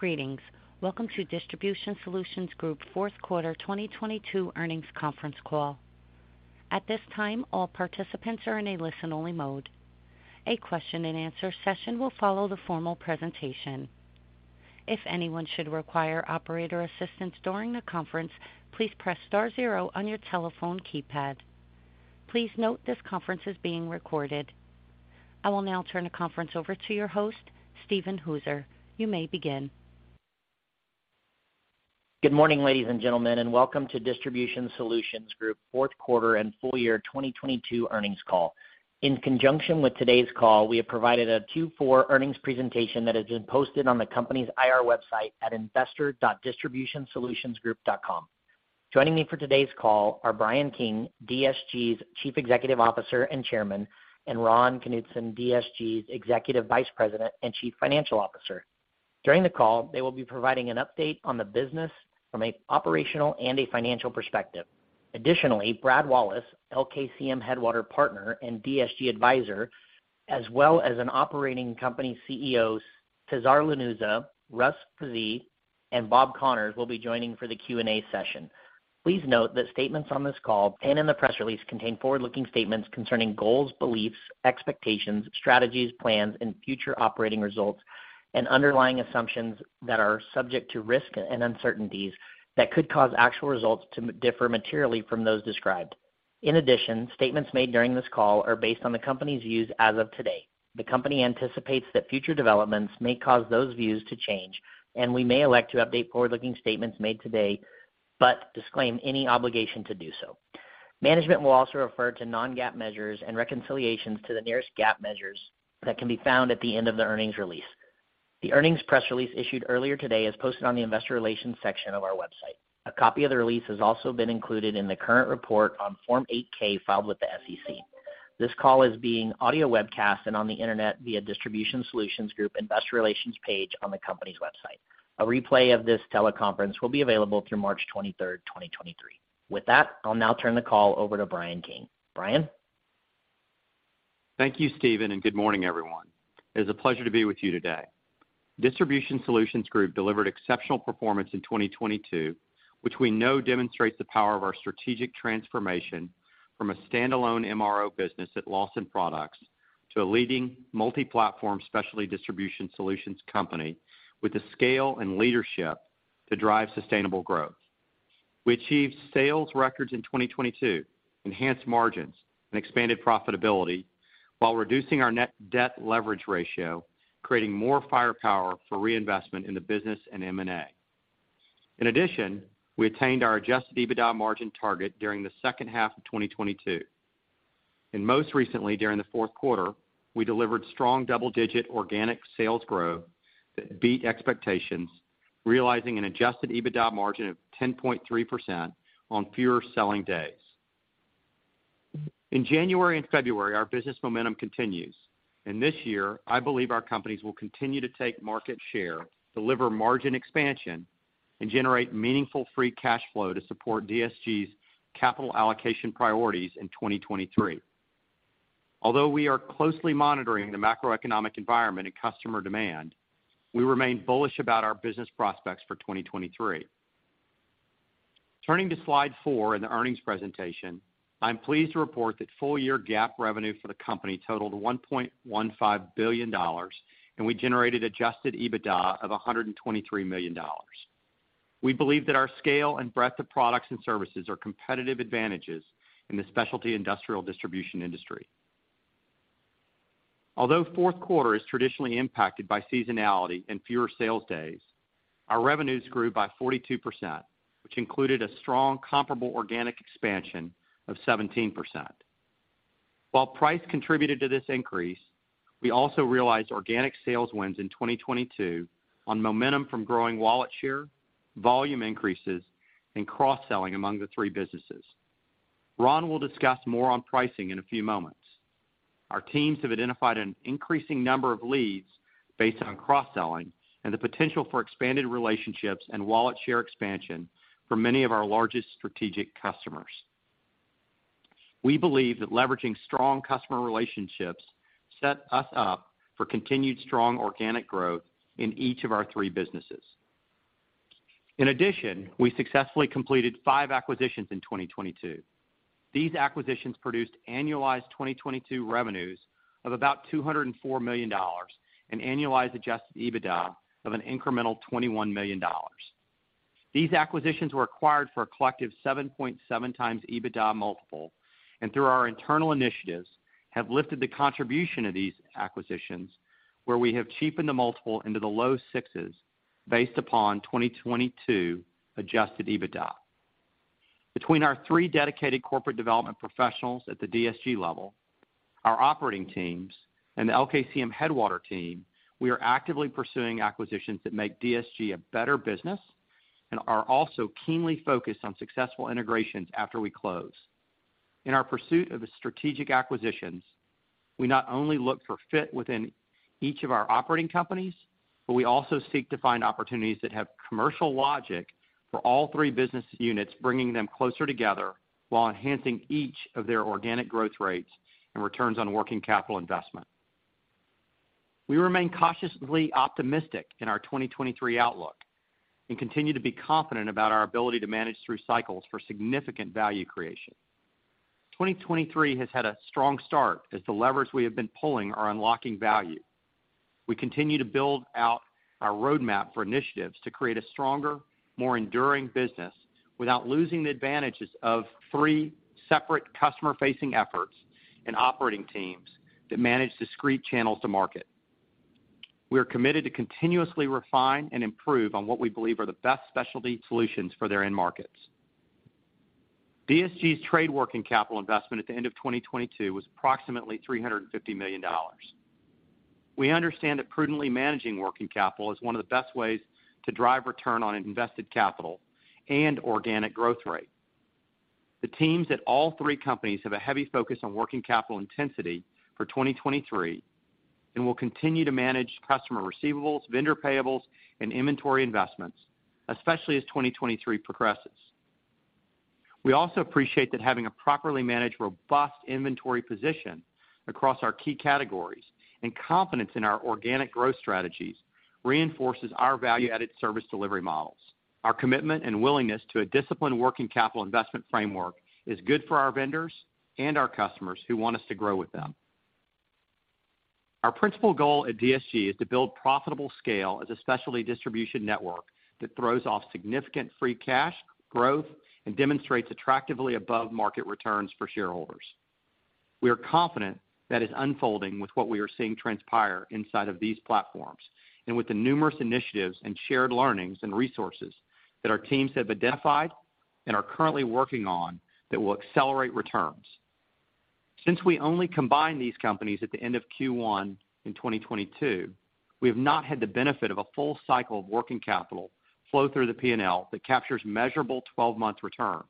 Greetings. Welcome to Distribution Solutions Group fourth quarter 2022 earnings conference call. At this time, all participants are in a listen-only mode. A question-and-answer session will follow the formal presentation. If anyone should require operator assistance during the conference, please press star zero on your telephone keypad. Please note this conference is being recorded. I will now turn the conference over to your host, Steven Hooser. You may begin. Good morning, ladies and gentlemen, and welcome to Distribution Solutions Group fourth quarter and full year 2022 earnings call. In conjunction with today's call, we have provided a Q4 earnings presentation that has been posted on the company's IR website at investor.distributionsolutionsgroup.com. Joining me for today's call are Bryan King, DSG's Chief Executive Officer and Chairman, and Ron Knutson, DSG's Executive Vice President and Chief Financial Officer. During the call, they will be providing an update on the business from a operational and a financial perspective. Additionally, Brad Wallace, LKCM Headwater Partner and DSG Advisor, as well as an operating company CEOs, Cesar Lanuza, Russ Frazee, and Bob Connors, will be joining for the Q&A session. Please note that statements on this call and in the press release contain forward-looking statements concerning goals, beliefs, expectations, strategies, plans and future operating results and underlying assumptions that are subject to risk and uncertainties that could cause actual results to differ materially from those described. In addition, statements made during this call are based on the company's views as of today. The company anticipates that future developments may cause those views to change, and we may elect to update forward-looking statements made today, but disclaim any obligation to do so. Management will also refer to non-GAAP measures and reconciliations to the nearest GAAP measures that can be found at the end of the earnings release. The earnings press release issued earlier today is posted on the investor relations section of our website. A copy of the release has also been included in the current report on Form 8-K filed with the SEC. This call is being audio webcast and on the internet via Distribution Solutions Group investor relations page on the company's website. A replay of this teleconference will be available through March 23, 2023. With that, I'll now turn the call over to Bryan King. Bryan. Thank you, Steven. Good morning, everyone. It is a pleasure to be with you today. Distribution Solutions Group delivered exceptional performance in 2022, which we know demonstrates the power of our strategic transformation from a standalone MRO business at Lawson Products to a leading multi-platform specialty distribution solutions company with the scale and leadership to drive sustainable growth. We achieved sales records in 2022, enhanced margins and expanded profitability while reducing our net debt leverage ratio, creating more firepower for reinvestment in the business and M&A. In addition, we attained our adjusted EBITDA margin target during the second half of 2022. Most recently, during the fourth quarter, we delivered strong double-digit organic sales growth that beat expectations, realizing an adjusted EBITDA margin of 10.3% on fewer selling days. In January and February, our business momentum continues. This year I believe our companies will continue to take market share, deliver margin expansion, and generate meaningful free cash flow to support DSG's capital allocation priorities in 2023. Although we are closely monitoring the macroeconomic environment and customer demand, we remain bullish about our business prospects for 2023. Turning to slide 4 in the earnings presentation, I'm pleased to report that full year GAAP revenue for the company totaled $1.15 billion. We generated adjusted EBITDA of $123 million. We believe that our scale and breadth of products and services are competitive advantages in the specialty industrial distribution industry. Although fourth quarter is traditionally impacted by seasonality and fewer sales days, our revenues grew by 42%, which included a strong comparable organic expansion of 17%. While price contributed to this increase, we also realized organic sales wins in 2022 on momentum from growing wallet share, volume increases, and cross-selling among the three businesses. Ron will discuss more on pricing in a few moments. Our teams have identified an increasing number of leads based on cross-selling and the potential for expanded relationships and wallet share expansion for many of our largest strategic customers. We believe that leveraging strong customer relationships set us up for continued strong organic growth in each of our three businesses. In addition, we successfully completed five acquisitions in 2022. These acquisitions produced annualized 2022 revenues of about $204 million and annualized adjusted EBITDA of an incremental $21 million. These acquisitions were acquired for a collective 7.7x EBITDA multiple, and through our internal initiatives, have lifted the contribution of these acquisitions where we have cheapened the multiple into the low 6s based upon 2022 adjusted EBITDA. Between our three dedicated corporate development professionals at the DSG level, our operating teams, and the LKCM Headwater team, we are actively pursuing acquisitions that make DSG a better business and are also keenly focused on successful integrations after we close. In our pursuit of the strategic acquisitions, we not only look for fit within each of our operating companies, but we also seek to find opportunities that have commercial logic for all three business units, bringing them closer together while enhancing each of their organic growth rates and returns on working capital investment. We remain cautiously optimistic in our 2023 outlook and continue to be confident about our ability to manage through cycles for significant value creation. 2023 has had a strong start as the levers we have been pulling are unlocking value. We continue to build out our roadmap for initiatives to create a stronger, more enduring business without losing the advantages of three separate customer-facing efforts and operating teams that manage discrete channels to market. We are committed to continuously refine and improve on what we believe are the best specialty solutions for their end markets. DSG's trade working capital investment at the end of 2022 was approximately $350 million. We understand that prudently managing working capital is one of the best ways to drive return on invested capital and organic growth rate. The teams at all three companies have a heavy focus on working capital intensity for 2023 and will continue to manage customer receivables, vendor payables, and inventory investments, especially as 2023 progresses. We also appreciate that having a properly managed, robust inventory position across our key categories and confidence in our organic growth strategies reinforces our value-added service delivery models. Our commitment and willingness to a disciplined working capital investment framework is good for our vendors and our customers who want us to grow with them. Our principal goal at DSG is to build profitable scale as a specialty distribution network that throws off significant free cash, growth, and demonstrates attractively above-market returns for shareholders. We are confident that is unfolding with what we are seeing transpire inside of these platforms and with the numerous initiatives and shared learnings and resources that our teams have identified and are currently working on that will accelerate returns. Since we only combined these companies at the end of Q1 in 2022, we have not had the benefit of a full cycle of working capital flow through the P&L that captures measurable 12-month returns.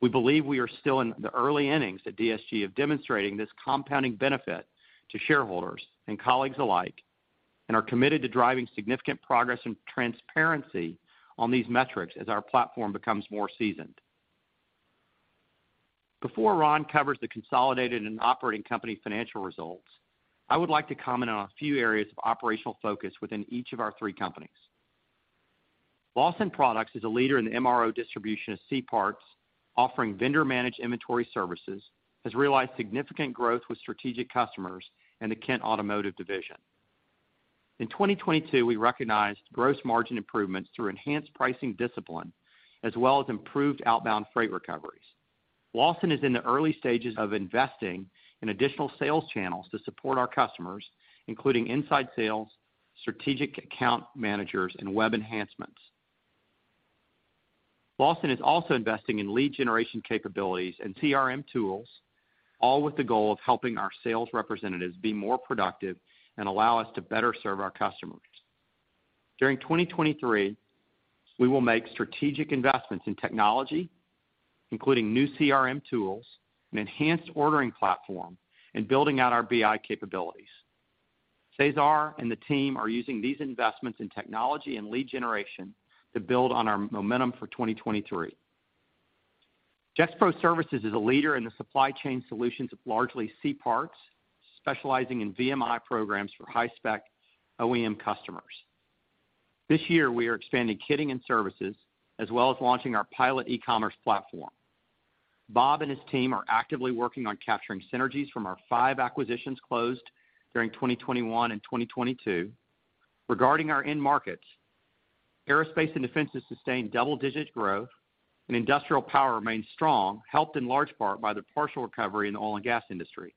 We believe we are still in the early innings at DSG of demonstrating this compounding benefit to shareholders and colleagues alike, and are committed to driving significant progress and transparency on these metrics as our platform becomes more seasoned. Before Ron covers the consolidated and operating company financial results, I would like to comment on a few areas of operational focus within each of our three companies. Lawson Products is a leader in the MRO distribution of C-parts, offering vendor-managed inventory services, has realized significant growth with strategic customers and the Kent Automotive division. In 2022, we recognized gross margin improvements through enhanced pricing discipline as well as improved outbound freight recoveries. Lawson is in the early stages of investing in additional sales channels to support our customers, including inside sales, strategic account managers, and web enhancements. Lawson is also investing in lead generation capabilities and CRM tools, all with the goal of helping our sales representatives be more productive and allow us to better serve our customers. During 2023, we will make strategic investments in technology, including new CRM tools, an enhanced ordering platform, and building out our BI capabilities. Cesar and the team are using these investments in technology and lead generation to build on our momentum for 2023. Gexpro Services is a leader in the supply chain solutions of largely C-parts, specializing in VMI programs for high-spec OEM customers. This year, we are expanding kitting and services, as well as launching our pilot e-commerce platform. Bob and his team are actively working on capturing synergies from our five acquisitions closed during 2021 and 2022. Our end markets, Aerospace and Defense has sustained double-digit growth, and industrial power remains strong, helped in large part by the partial recovery in the oil and gas industry.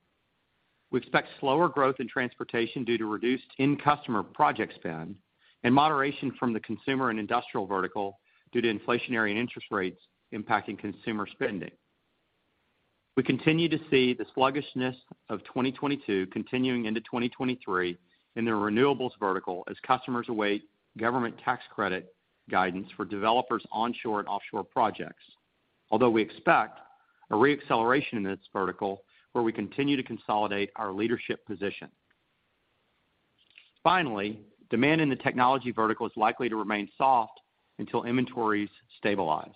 We expect slower growth in transportation due to reduced end customer project spend and moderation from the consumer and industrial vertical due to inflationary interest rates impacting consumer spending. We continue to see the sluggishness of 2022 continuing into 2023 in the renewables vertical as customers await government tax credit guidance for developers onshore and offshore projects. We expect a re-acceleration in this vertical where we continue to consolidate our leadership position. Finally, demand in the technology vertical is likely to remain soft until inventories stabilize.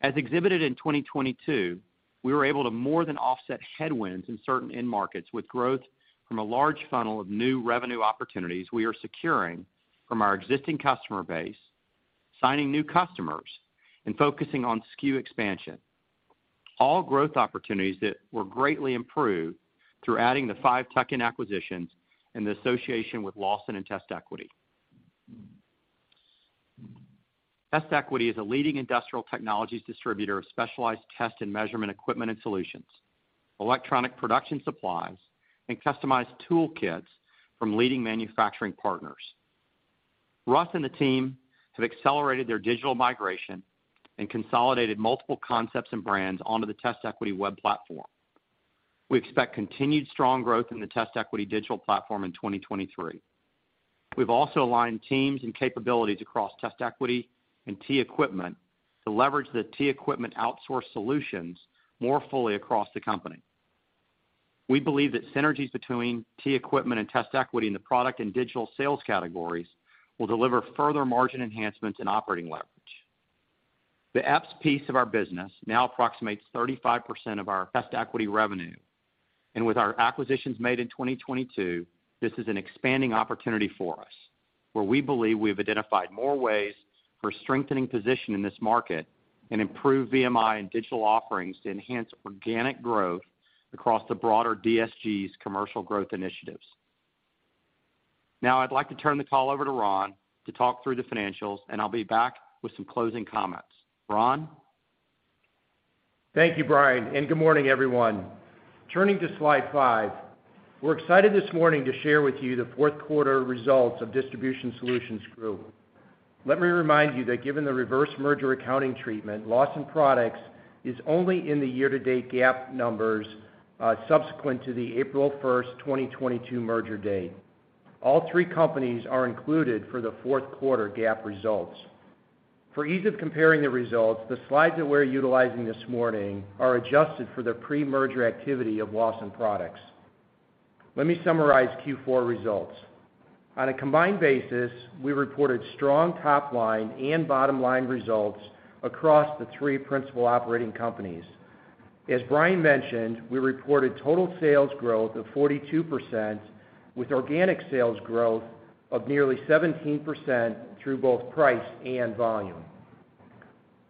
As exhibited in 2022, we were able to more than offset headwinds in certain end markets with growth from a large funnel of new revenue opportunities we are securing from our existing customer base, signing new customers, and focusing on SKU expansion. All growth opportunities that were greatly improved through adding the 5 tuck-in acquisitions and the association with Lawson and TestEquity. TestEquity is a leading industrial technologies distributor of specialized test and measurement equipment and solutions, electronic production supplies, and customized tool kits from leading manufacturing partners. Russ and the team have accelerated their digital migration and consolidated multiple concepts and brands onto the TestEquity web platform. We expect continued strong growth in the TestEquity digital platform in 2023. We've also aligned teams and capabilities across TestEquity and TEquipment to leverage the TEquipment outsource solutions more fully across the company. We believe that synergies between TEquipment and TestEquity in the product and digital sales categories will deliver further margin enhancements and operating leverage. The EPS piece of our business now approximates 35% of our TestEquity revenue. With our acquisitions made in 2022, this is an expanding opportunity for us, where we believe we have identified more ways for strengthening position in this market and improve VMI and digital offerings to enhance organic growth across the broader DSG's commercial growth initiatives. Now, I'd like to turn the call over to Ron to talk through the financials, and I'll be back with some closing comments. Ron? Thank you, Bryan, and good morning, everyone. Turning to slide 5, we're excited this morning to share with you the fourth quarter results of Distribution Solutions Group. Let me remind you that given the reverse merger accounting treatment, Lawson Products is only in the year-to-date GAAP numbers subsequent to the April first, 2022 merger date. All three companies are included for the fourth quarter GAAP results. For ease of comparing the results, the slides that we're utilizing this morning are adjusted for the pre-merger activity of Lawson Products. Let me summarize Q4 results. On a combined basis, we reported strong top line and bottom line results across the three principal operating companies. As Bryan mentioned, we reported total sales growth of 42% with organic sales growth of nearly 17% through both price and volume.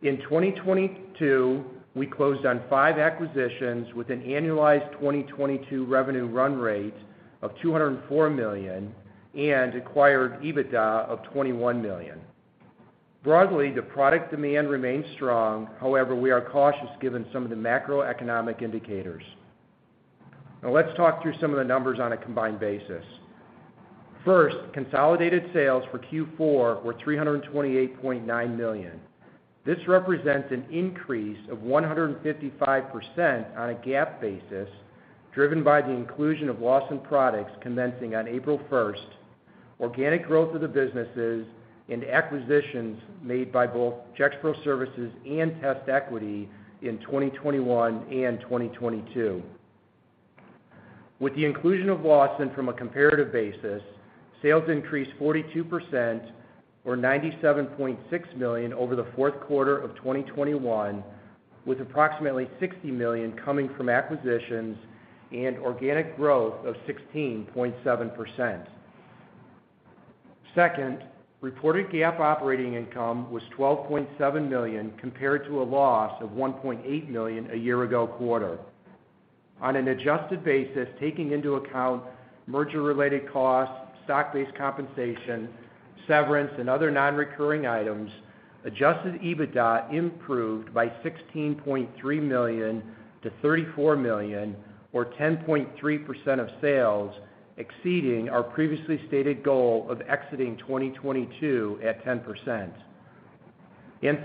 In 2022, we closed on 5 acquisitions with an annualized 2022 revenue run rate of $204 million and acquired EBITDA of $21 million. Broadly, the product demand remains strong. However, we are cautious given some of the macroeconomic indicators. Let's talk through some of the numbers on a combined basis. First, consolidated sales for Q4 were $328.9 million. This represents an increase of 155% on a GAAP basis, driven by the inclusion of Lawson Products commencing on April 1st, organic growth of the businesses and acquisitions made by both Gexpro Services and TestEquity in 2021 and 2022. With the inclusion of Lawson from a comparative basis, sales increased 42% or $97.6 million over the fourth quarter of 2021, with approximately $60 million coming from acquisitions and organic growth of 16.7%. Second, reported GAAP operating income was $12.7 million compared to a loss of $1.8 million a year ago quarter. On an adjusted basis, taking into account merger-related costs, stock-based compensation, severance, and other non-recurring items, adjusted EBITDA improved by $16.3 million to $34 million or 10.3% of sales, exceeding our previously stated goal of exiting 2022 at 10%.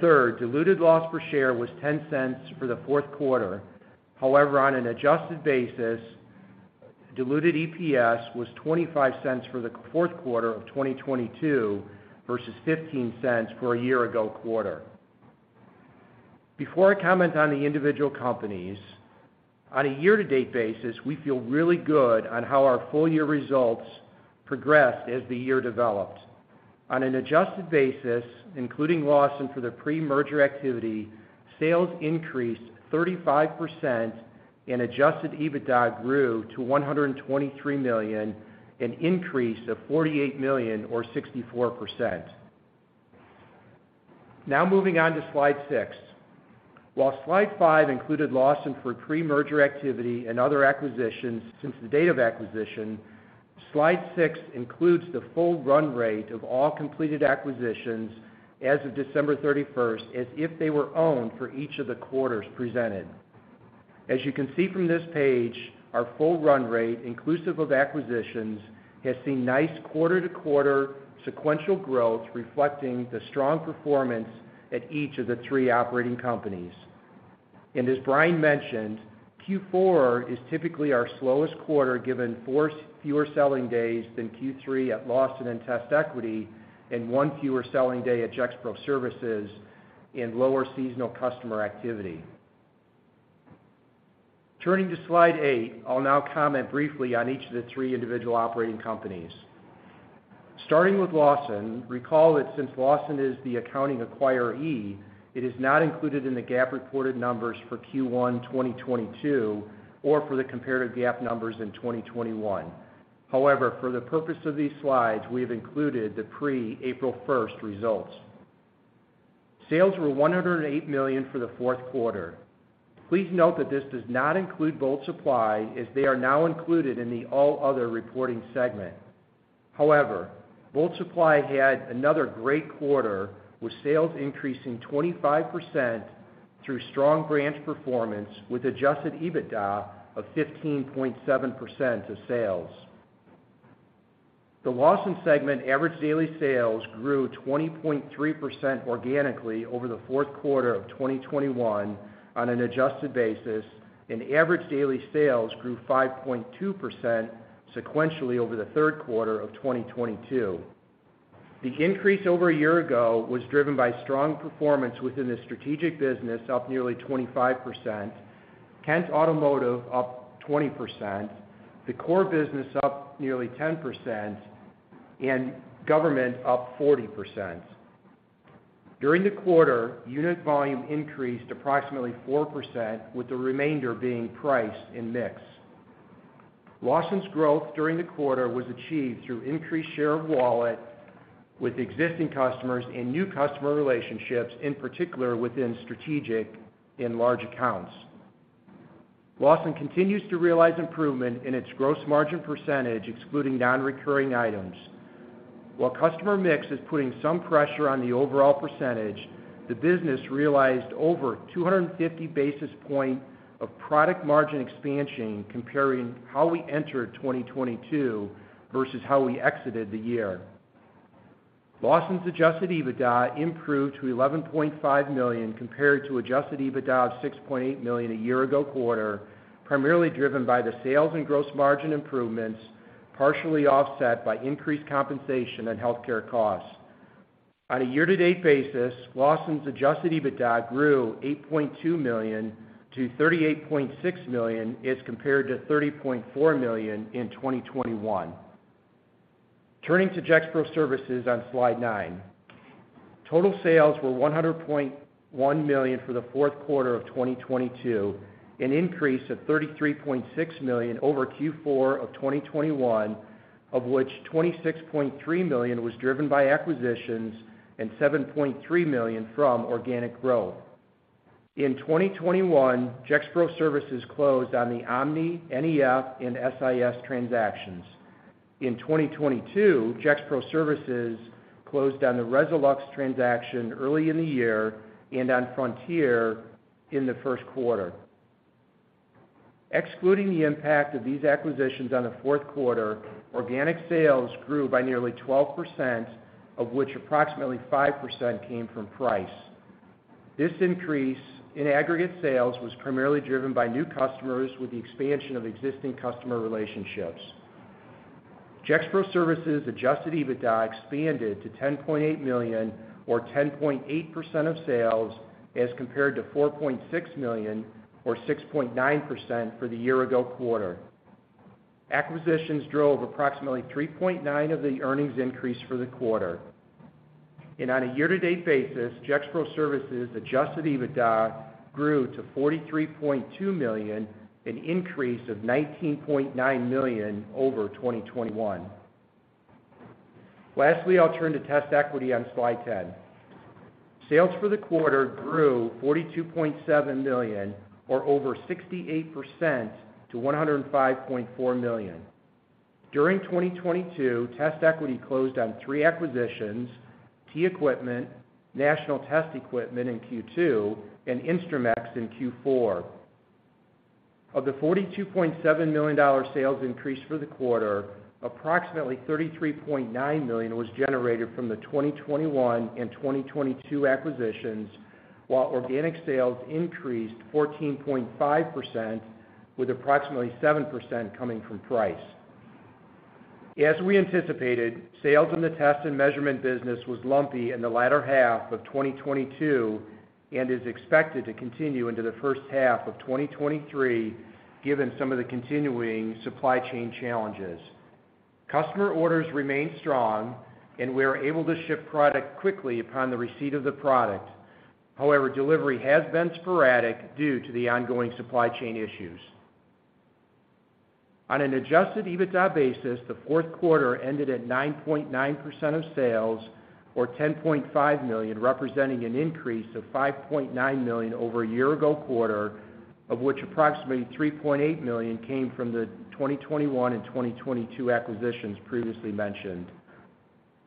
Third, diluted loss per share was $0.10 for the fourth quarter. However, on an adjusted basis, diluted EPS was $0.25 for the fourth quarter of 2022 versus $0.15 for a year ago quarter. Before I comment on the individual companies, on a year-to-date basis, we feel really good on how our full-year results progressed as the year developed. On an adjusted basis, including Lawson Products for their pre-merger activity, sales increased 35% and adjusted EBITDA grew to $123 million, an increase of $48 million or 64%. Moving on to Slide 6. While Slide 5 included Lawson Products for pre-merger activity and other acquisitions since the date of acquisition, Slide 6 includes the full run rate of all completed acquisitions as of December 31st, as if they were owned for each of the quarters presented. As you can see from this page, our full run rate, inclusive of acquisitions, has seen nice quarter-to-quarter sequential growth reflecting the strong performance at each of the three operating companies. As Bryan mentioned, Q4 is typically our slowest quarter given four fewer selling days than Q3 at Lawson and TestEquity and one fewer selling day at Gexpro Services and lower seasonal customer activity. Turning to slide 8, I'll now comment briefly on each of the 3 individual operating companies. Starting with Lawson, recall that since Lawson is the accounting acquiree, it is not included in the GAAP reported numbers for Q1 2022 or for the comparative GAAP numbers in 2021. However, for the purpose of these slides, we have included the pre-April 1st results. Sales were $108 million for the fourth quarter. Please note that this does not include Bolt Supply as they are now included in the all other reporting segment. Bolt Supply had another great quarter with sales increasing 25% through strong branch performance with adjusted EBITDA of 15.7% to sales. The Lawson segment average daily sales grew 20.3% organically over the fourth quarter of 2021 on an adjusted basis, and average daily sales grew 5.2% sequentially over the third quarter of 2022. The increase over a year ago was driven by strong performance within the strategic business up nearly 25%, Kent Automotive up 20%, the core business up nearly 10%, and government up 40%. During the quarter, unit volume increased approximately 4%, with the remainder being priced in mix. Lawson's growth during the quarter was achieved through increased share of wallet with existing customers and new customer relationships, in particular within strategic and large accounts. Lawson continues to realize improvement in its gross margin percentage, excluding non-recurring items. While customer mix is putting some pressure on the overall percentage, the business realized over 250 basis points of product margin expansion comparing how we entered 2022 versus how we exited the year. Lawson's adjusted EBITDA improved to $11.5 million compared to adjusted EBITDA of $6.8 million a year ago quarter, primarily driven by the sales and gross margin improvements, partially offset by increased compensation and healthcare costs. On a year-to-date basis, Lawson's adjusted EBITDA grew $8.2 million to $38.6 million as compared to $30.4 million in 2021. Turning to Gexpro Services on slide 9. Total sales were $100.1 million for the fourth quarter of 2022, an increase of $33.6 million over Q4 of 2021, of which $26.3 million was driven by acquisitions and $7.3 million from organic growth. In 2021, Gexpro Services closed on the Omni, NEF and SIS transactions. In 2022, Gexpro Services closed on the Resolux transaction early in the year and on Frontier in the first quarter. Excluding the impact of these acquisitions on the fourth quarter, organic sales grew by nearly 12%, of which approximately 5% came from price. This increase in aggregate sales was primarily driven by new customers with the expansion of existing customer relationships. Gexpro Services adjusted EBITDA expanded to $10.8 million or 10.8% of sales as compared to $4.6 million or 6.9% for the year-ago quarter. Acquisitions drove approximately $3.9 of the earnings increase for the quarter. On a year-to-date basis, Gexpro Services adjusted EBITDA grew to $43.2 million, an increase of $19.9 million over 2021. Lastly, I'll turn to TestEquity on slide 10. Sales for the quarter grew $42.7 million or over 68% to $105.4 million. During 2022, TestEquity closed on three acquisitions, TEquipment, National Test Equipment in Q2, and Instrumex in Q4. Of the $42.7 million sales increase for the quarter, approximately $33.9 million was generated from the 2021 and 2022 acquisitions, while organic sales increased 14.5% with approximately 7% coming from price. As we anticipated, sales in the test and measurement business was lumpy in the latter half of 2022 and is expected to continue into the first half of 2023, given some of the continuing supply chain challenges. Customer orders remain strong, and we are able to ship product quickly upon the receipt of the product. However, delivery has been sporadic due to the ongoing supply chain issues. On an adjusted EBITDA basis, the fourth quarter ended at 9.9% of sales or $10.5 million, representing an increase of $5.9 million over a year-ago quarter, of which approximately $3.8 million came from the 2021 and 2022 acquisitions previously mentioned.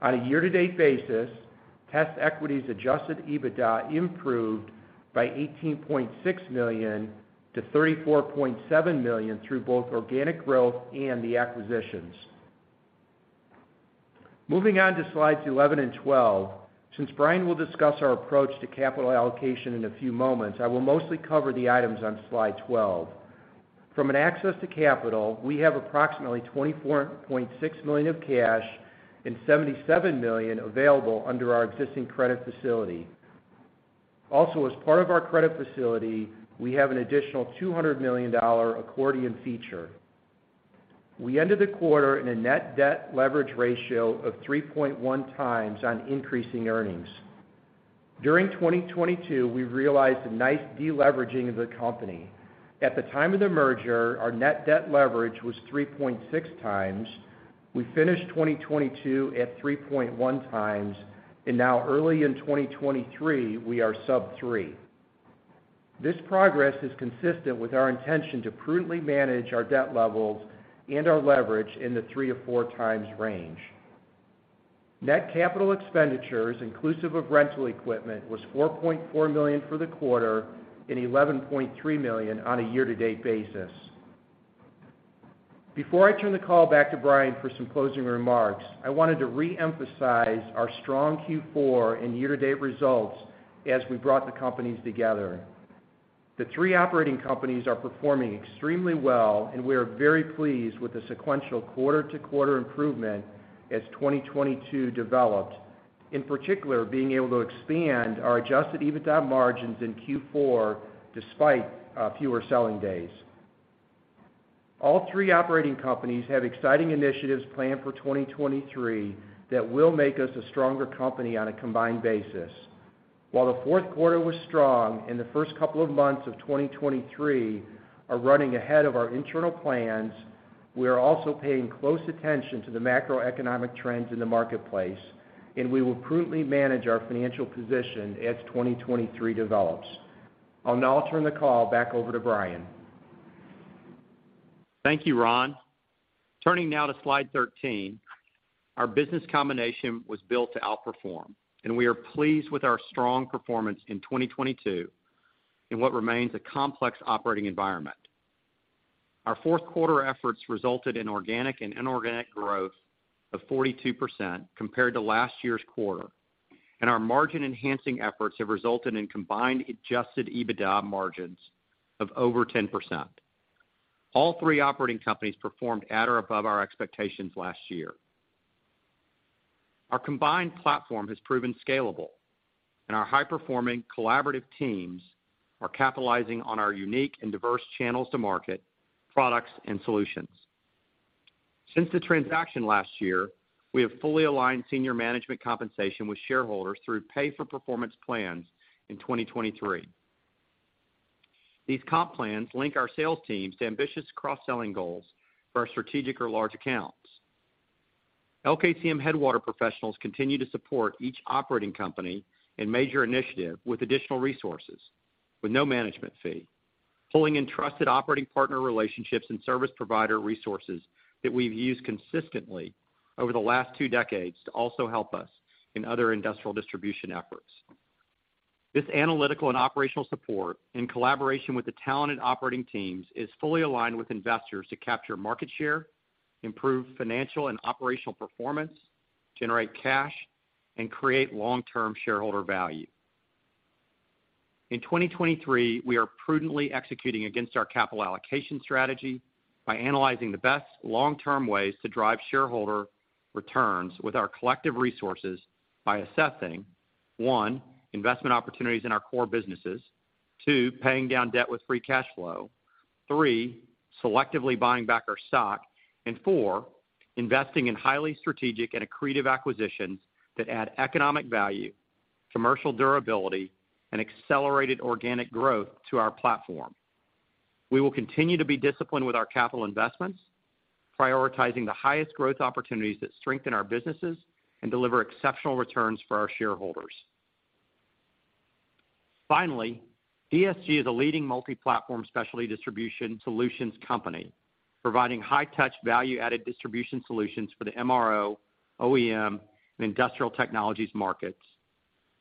On a year-to-date basis, TestEquity's adjusted EBITDA improved by $18.6 million to $34.7 million through both organic growth and the acquisitions. Moving on to slides 11 and 12. Since Bryan will discuss our approach to capital allocation in a few moments, I will mostly cover the items on slide 12. From an access to capital, we have approximately $24.6 million of cash and $77 million available under our existing credit facility. Also, as part of our credit facility, we have an additional $200 million accordion feature. We ended the quarter in a net debt leverage ratio of 3.1 times on increasing earnings. During 2022, we realized a nice deleveraging of the company. At the time of the merger, our net debt leverage was 3.6 times. We finished 2022 at 3.1 times, and now early in 2023, we are sub 3. This progress is consistent with our intention to prudently manage our debt levels and our leverage in the 3-4 times range. Net capital expenditures, inclusive of rental equipment, was $4.4 million for the quarter and $11.3 million on a year-to-date basis. Before I turn the call back to Bryan for some closing remarks, I wanted to reemphasize our strong Q4 and year-to-date results as we brought the companies together. The three operating companies are performing extremely well, and we are very pleased with the sequential quarter-to-quarter improvement as 2022 developed. In particular, being able to expand our adjusted EBITDA margins in Q4 despite fewer selling days. All three operating companies have exciting initiatives planned for 2023 that will make us a stronger company on a combined basis. While the fourth quarter was strong and the first couple of months of 2023 are running ahead of our internal plans, we are also paying close attention to the macroeconomic trends in the marketplace, and we will prudently manage our financial position as 2023 develops. I'll now turn the call back over to Bryan. Thank you, Ron. Turning now to slide 13. Our business combination was built to outperform, and we are pleased with our strong performance in 2022 in what remains a complex operating environment. Our fourth quarter efforts resulted in organic and inorganic growth of 42% compared to last year's quarter, and our margin-enhancing efforts have resulted in combined adjusted EBITDA margins of over 10%. All three operating companies performed at or above our expectations last year. Our combined platform has proven scalable, and our high-performing collaborative teams are capitalizing on our unique and diverse channels to market products and solutions. Since the transaction last year, we have fully aligned senior management compensation with shareholders through pay-for-performance plans in 2023. These comp plans link our sales teams to ambitious cross-selling goals for our strategic or large accounts. LKCM Headwater professionals continue to support each operating company and major initiative with additional resources with no management fee, pulling in trusted operating partner relationships and service provider resources that we've used consistently over the last two decades to also help us in other industrial distribution efforts. This analytical and operational support, in collaboration with the talented operating teams, is fully aligned with investors to capture market share, improve financial and operational performance, generate cash, and create long-term shareholder value. In 2023, we are prudently executing against our capital allocation strategy by analyzing the best long-term ways to drive shareholder returns with our collective resources by assessing, one, investment opportunities in our core businesses, two, paying down debt with free cash flow, three, selectively buying back our stock, and four, investing in highly strategic and accretive acquisitions that add economic value, commercial durability, and accelerated organic growth to our platform. We will continue to be disciplined with our capital investments, prioritizing the highest growth opportunities that strengthen our businesses and deliver exceptional returns for our shareholders. Finally, DSG is a leading multi-platform specialty distribution solutions company, providing high-touch value-added distribution solutions for the MRO, OEM, and industrial technologies markets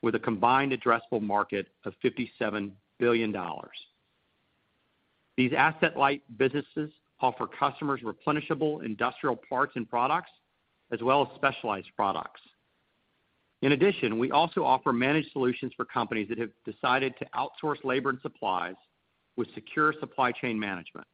with a combined addressable market of $57 billion. These asset-light businesses offer customers replenishable industrial parts and products, as well as specialized products. We also offer managed solutions for companies that have decided to outsource labor and supplies with secure supply chain management.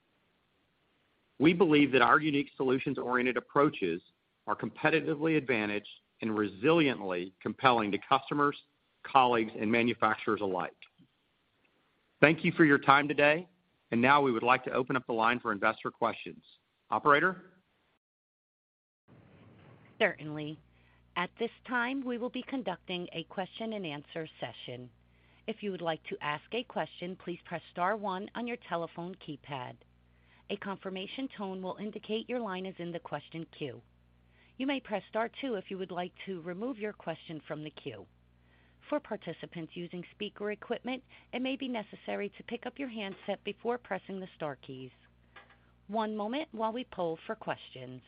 We believe that our unique solutions-oriented approaches are competitively advantaged and resiliently compelling to customers, colleagues, and manufacturers alike. Thank you for your time today. Now we would like to open up the line for investor questions. Operator? Certainly. At this time, we will be conducting a question-and-answer session. If you would like to ask a question, please press star one on your telephone keypad. A confirmation tone will indicate your line is in the question queue. You may press star two if you would like to remove your question from the queue. For participants using speaker equipment, it may be necessary to pick up your handset before pressing the star keys. One moment while we poll for questions.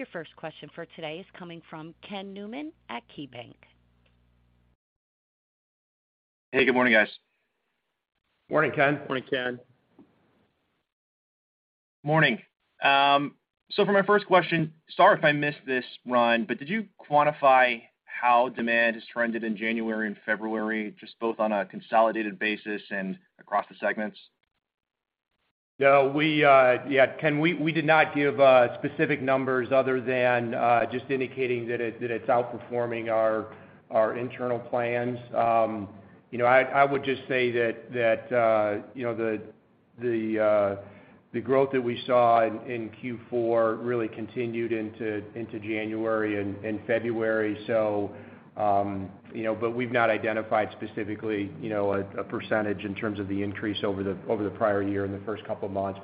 Your first question for today is coming from Ken Newman at KeyBanc. Hey, good morning, guys. Morning, Ken. Morning, Ken. Morning. For my first question, sorry if I missed this, Ron, but did you quantify how demand has trended in January and February, just both on a consolidated basis and across the segments? Yeah, Ken, we did not give specific numbers other than just indicating that it's outperforming our internal plans. You know, I would just say that, you know, the growth that we saw in Q4 really continued into January and February. You know, we've not identified specifically, you know, a percentage in terms of the increase over the prior year in the first couple of months.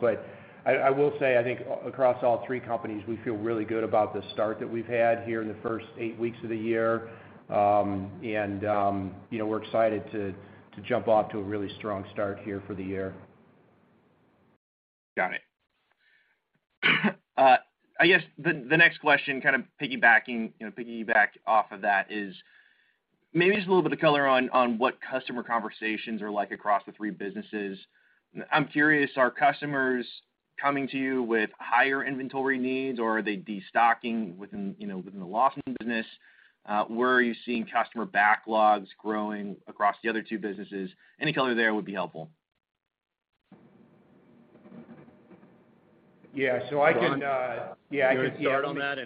I will say, I think across all three companies, we feel really good about the start that we've had here in the first 8 weeks of the year. You know, we're excited to jump off to a really strong start here for the year. Got it. I guess the next question kind of piggybacking, you know, piggyback off of that is maybe just a little bit of color on what customer conversations are like across the three businesses. I'm curious, are customers coming to you with higher inventory needs, or are they destocking within, you know, the Lawson business? Where are you seeing customer backlogs growing across the other two businesses? Any color there would be helpful. Yeah. I can, Ron? Yeah. You want to start on that.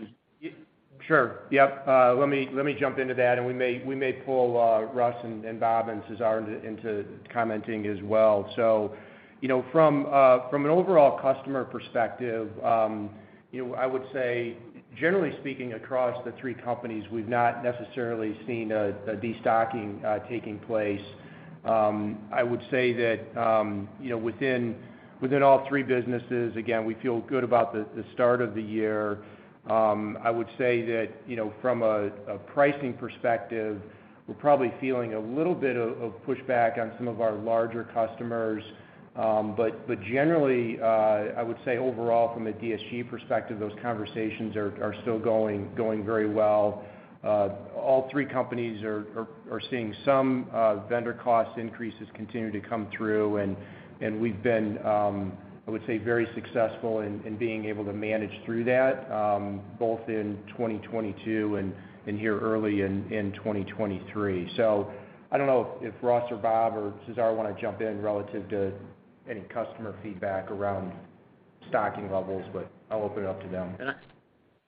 Sure. Yep. Let me jump into that and we may pull Russ and Bob and Cesar into commenting as well. You know, from an overall customer perspective, you know, I would say generally speaking across the 3 companies, we've not necessarily seen a destocking taking place. I would say that, you know, within all 3 businesses, again, we feel good about the start of the year. I would say that, you know, from a pricing perspective, we're probably feeling a little bit of pushback on some of our larger customers. Generally, I would say overall from a DSG perspective, those conversations are still going very well. All 3 companies are seeing some vendor cost increases continue to come through. We've been, I would say, very successful in being able to manage through that, both in 2022 and here early in 2023. I don't know if Russ or Bob or Cesar wanna jump in relative to any customer feedback around stocking levels, but I'll open it up to them.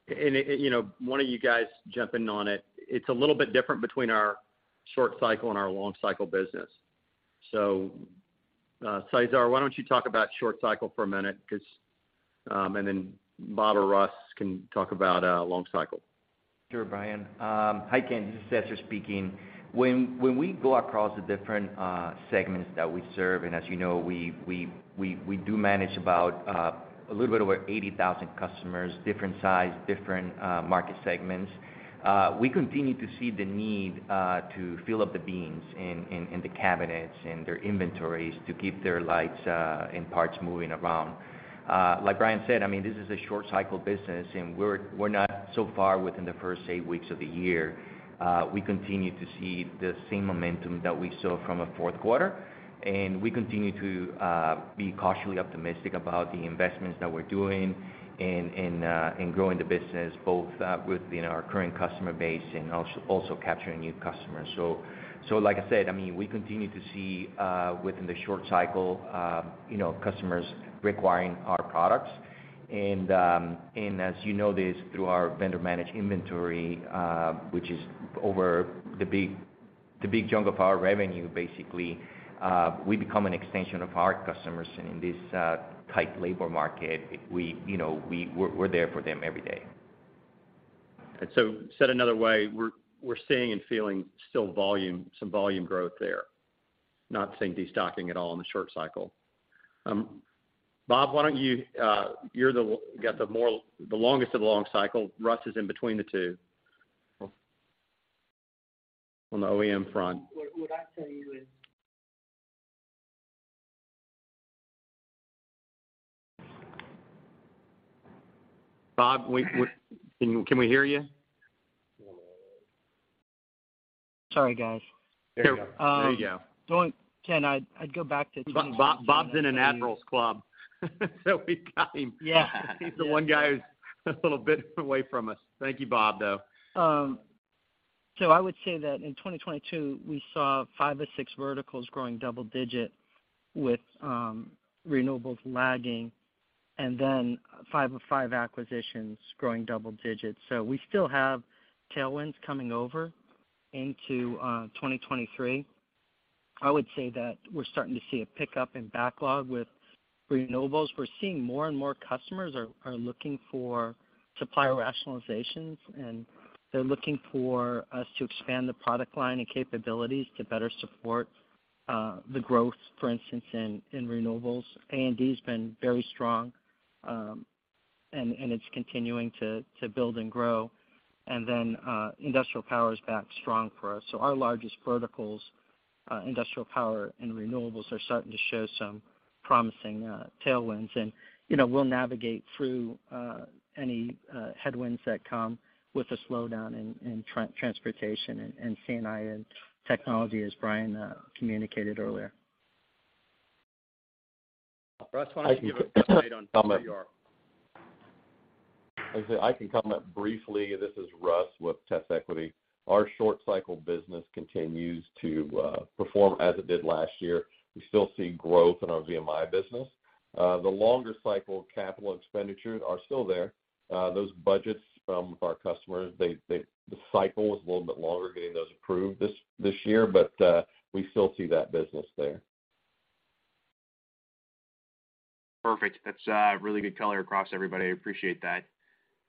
You know, one of you guys jump in on it. It's a little bit different between our short cycle and our long cycle business. Cesar, why don't you talk about short cycle for a minute? 'Cause, then Bob or Russ can talk about long cycle. Sure, Bryan. Hi, Ken. This is Cesar speaking. When we go across the different segments that we serve, and as you know, we do manage about a little bit over 80,000 customers, different size, different market segments. We continue to see the need to fill up the bins and the cabinets and their inventories to keep their lights and parts moving around. Like Bryan said, I mean, this is a short cycle business, and we're not so far within the first eight weeks of the year. We continue to see the same momentum that we saw from a fourth quarter, and we continue to be cautiously optimistic about the investments that we're doing and growing the business both within our current customer base and also capturing new customers. Like I said, I mean, we continue to see, within the short cycle, you know, customers requiring our products. As you know this, through our vendor-managed inventory, which is over the big chunk of our revenue, basically, we become an extension of our customers in this tight labor market. We, you know, we're there for them every day. Said another way, we're seeing and feeling still volume, some volume growth there. Not seeing destocking at all in the short cycle. Bob, why don't you, the longest of the long cycle. Russ is in between the two. On the OEM front. What I'd tell you is- Bob, Can we hear you? Sorry, guys. There we go. There you go. Ken, I'd go back to 2022- Bob's in an Admirals Club. We've got him. Yeah. He's the one guy who's a little bit away from us. Thank you, Bob, though. I would say that in 2022, we saw 5 or 6 verticals growing double-digit with renewables lagging, and then 5 of 5 acquisitions growing double-digits. We still have tailwinds coming over into 2023. I would say that we're starting to see a pickup in backlog with renewables. We're seeing more and more customers are looking for supplier rationalizations, and they're looking for us to expand the product line and capabilities to better support the growth, for instance, in renewables. A&D's been very strong, and it's continuing to build and grow. Industrial power is back strong for us. Our largest verticals, industrial power and renewables, are starting to show some promising tailwinds. you know, we'll navigate through any headwinds that come with a slowdown in transportation and C&I and technology, as Bryan communicated earlier. Russ, why don't you give us an update on where you are? I can comment briefly. This is Russ with TestEquity. Our short cycle business continues to perform as it did last year. We still see growth in our VMI business. The longer cycle capital expenditures are still there. Those budgets from our customers, they the cycle was a little bit longer getting those approved this year, but we still see that business there. Perfect. That's really good color across everybody. I appreciate that.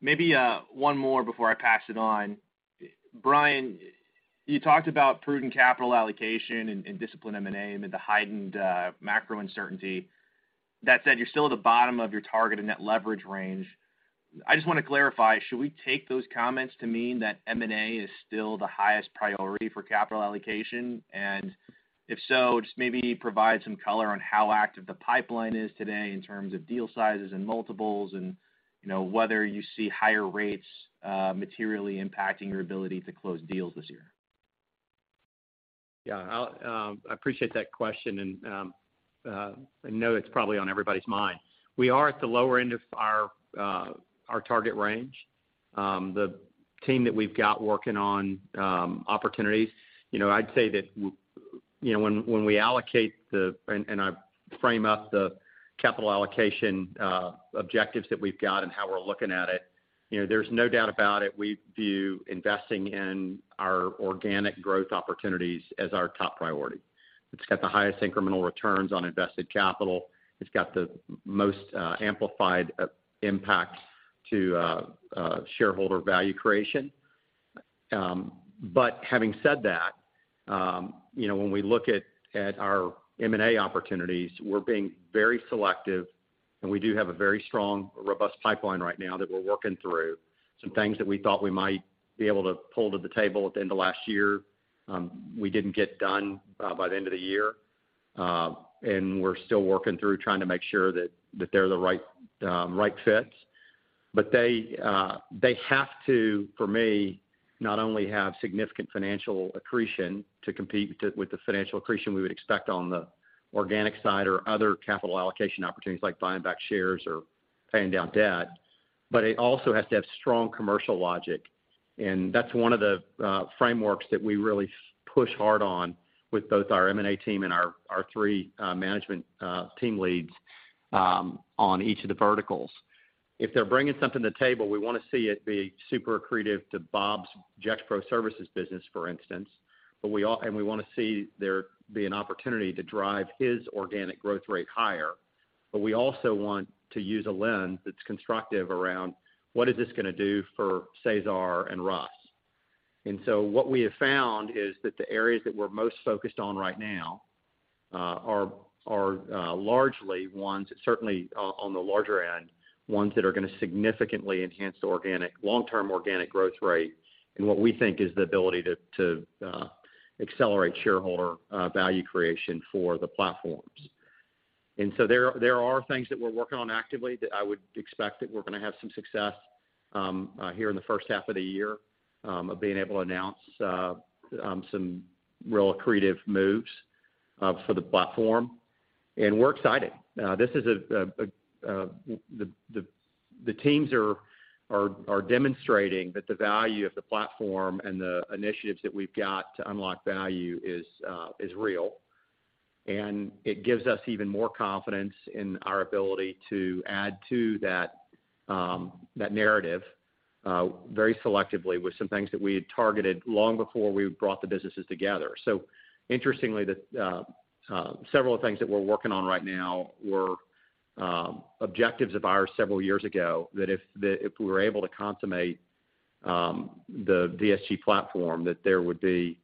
Maybe one more before I pass it on. Bryan, you talked about prudent capital allocation and disciplined M&A amid the heightened macro uncertainty. That said, you're still at the bottom of your target in net leverage range. I just wanna clarify, should we take those comments to mean that M&A is still the highest priority for capital allocation? If so, just maybe provide some color on how active the pipeline is today in terms of deal sizes and multiples and, you know, whether you see higher rates materially impacting your ability to close deals this year. Yeah. I'll. I appreciate that question and I know it's probably on everybody's mind. We are at the lower end of our target range. The team that we've got working on opportunities, you know, I'd say that, you know, when we allocate the and I frame up the capital allocation objectives that we've got and how we're looking at it, you know, there's no doubt about it, we view investing in our organic growth opportunities as our top priority. It's got the most amplified impact to shareholder value creation. Having said that, you know, when we look at our M&A opportunities, we're being very selective, and we do have a very strong, robust pipeline right now that we're working through. Some things that we thought we might be able to pull to the table at the end of last year, we didn't get done by the end of the year. We're still working through trying to make sure that they're the right fits. They have to, for me, not only have significant financial accretion to compete with the, with the financial accretion we would expect on the organic side or other capital allocation opportunities like buying back shares or paying down debt, but it also has to have strong commercial logic. That's one of the frameworks that we really push hard on with both our M&A team and our three management team leads on each of the verticals. If they're bringing something to the table, we wanna see it be super accretive to Bob's Gexpro Services business, for instance. We wanna see there be an opportunity to drive his organic growth rate higher. We also want to use a lens that's constructive around what is this gonna do for Cesar and Russ. What we have found is that the areas that we're most focused on right now are largely ones, certainly on the larger end, ones that are gonna significantly enhance the long-term organic growth rate and what we think is the ability to accelerate shareholder value creation for the platforms. There are things that we're working on actively that I would expect that we're gonna have some success here in the first half of the year of being able to announce some real accretive moves for the platform. We're excited. The teams are demonstrating that the value of the platform and the initiatives that we've got to unlock value is real. It gives us even more confidence in our ability to add to that narrative very selectively with some things that we had targeted long before we brought the businesses together. Interestingly, the several things that we're working on right now were objectives of ours several years ago, that if we were able to consummate the DSG platform, that there would be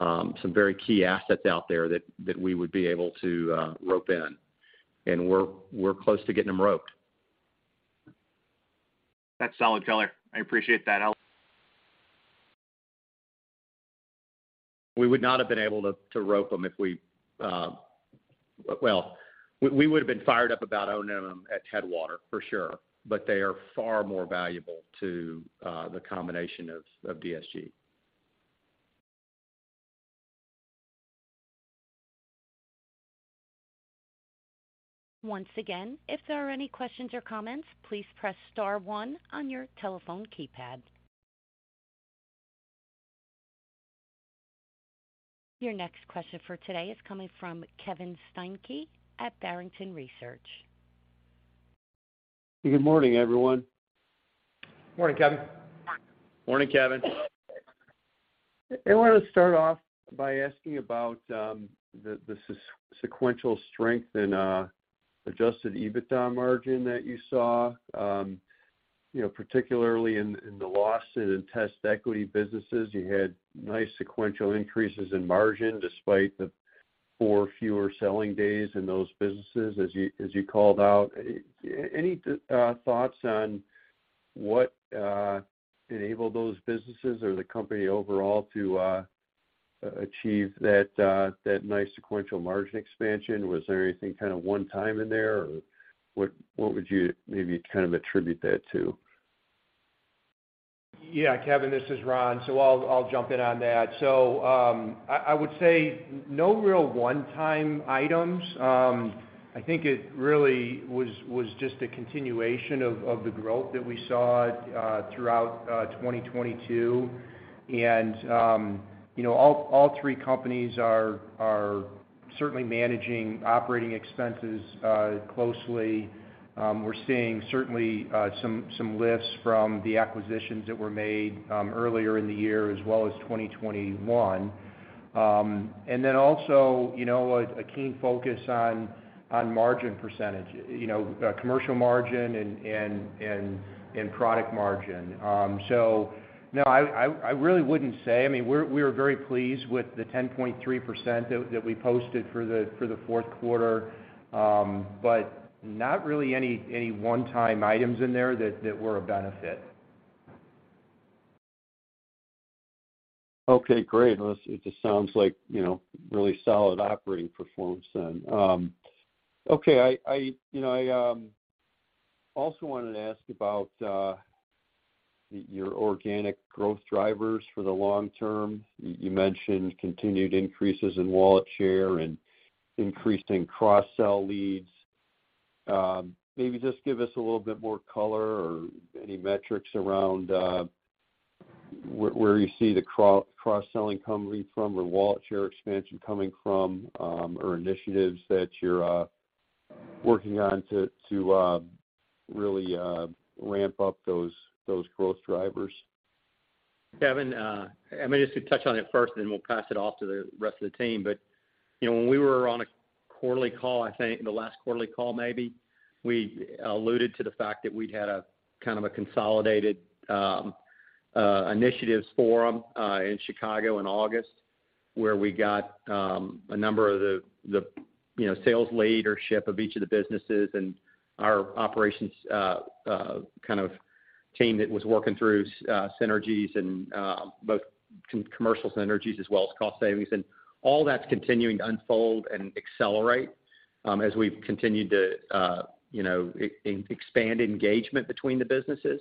some very key assets out there that we would be able to rope in. We're close to getting them roped. That's solid color. I appreciate that help. We would not have been able to rope them. We would have been fired up about owning them at Headwater for sure, but they are far more valuable to the combination of DSG. Once again, if there are any questions or comments, please press star one on your telephone keypad. Your next question for today is coming from Kevin Steinke at Barrington Research. Good morning, everyone. Morning, Kevin. Morning, Kevin. I wanted to start off by asking about the sequential strength in adjusted EBITDA margin that you saw, you know, particularly in the Lawson in the TestEquity businesses. You had nice sequential increases in margin despite the 4 fewer selling days in those businesses, as you called out. Any thoughts on what enabled those businesses or the company overall to achieve that nice sequential margin expansion? Was there anything kind of one time in there or what would you maybe kind of attribute that to? Yeah, Kevin, this is Ron, so I'll jump in on that. I would say no real one-time items. I think it really was just a continuation of the growth that we saw throughout 2022. You know, all three companies are certainly managing operating expenses closely. We're seeing certainly some lifts from the acquisitions that were made earlier in the year as well as 2021. Then also, you know, a keen focus on margin percentage, you know, commercial margin and product margin. No, I really wouldn't say. I mean, we are very pleased with the 10.3% that we posted for the fourth quarter, but not really any one-time items in there that were a benefit. Great. Well, it just sounds like, you know, really solid operating performance then. Okay. I, you know, I also wanted to ask about your organic growth drivers for the long term. You mentioned continued increases in wallet share and increase in cross-sell leads. Maybe just give us a little bit more color or any metrics around where you see the cross-selling coming from or wallet share expansion coming from, or initiatives that you're working on to really ramp up those growth drivers. Kevin, I mean, just to touch on it first, then we'll pass it off to the rest of the team. You know, when we were on a quarterly call, I think the last quarterly call, maybe, we alluded to the fact that we'd had a kind of a consolidated initiatives forum in Chicago in August, where we got a number of the, you know, sales leadership of each of the businesses and our operations kind of team that was working through synergies and both commercial synergies as well as cost savings. All that's continuing to unfold and accelerate as we've continued to, you know, expand engagement between the businesses.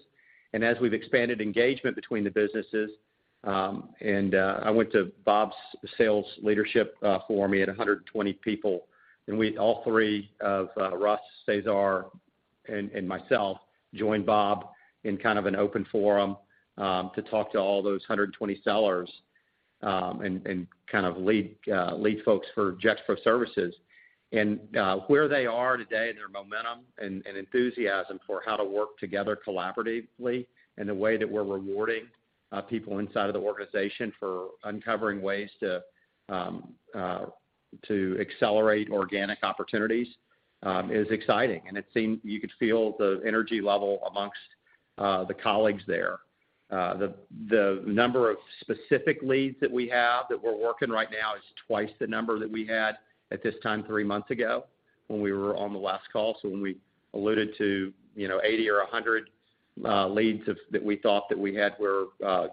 As we've expanded engagement between the businesses, and I went to Bob's sales leadership forum. He had 120 people. We all three of Russ, Cesar, and myself joined Bob in kind of an open forum to talk to all those 120 sellers and kind of lead folks for Gexpro Services. Where they are today and their momentum and enthusiasm for how to work together collaboratively and the way that we're rewarding people inside of the organization for uncovering ways to accelerate organic opportunities is exciting. It seemed you could feel the energy level amongst the colleagues there. The number of specific leads that we have that we're working right now is twice the number that we had at this time 3 months ago when we were on the last call. When we alluded to, you know, 80 or 100 leads that we thought that we had where